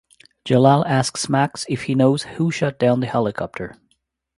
Jalal asks Max if he knows who shot down the helicopter.